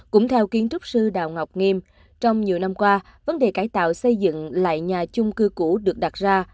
cũng theo kiến trúc sư đào ngọc nghiêm trong nhiều năm qua vấn đề cải tạo xây dựng lại nhà chung cư cũ được đặt ra